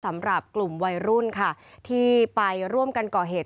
สำหรับกลุ่มวัยรุ่นค่ะที่ไปร่วมกันก่อเหตุ